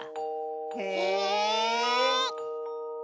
へえ。